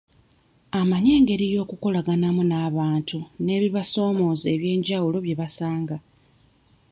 Amanyi engeri y'okukolaganamu n'abantu n'ebibasomooza eby'enjawulo bye basanga.